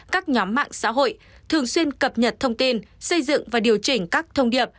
các nhóm mạng xã hội thường xuyên cập nhật thông tin xây dựng và điều chỉnh các thông điệp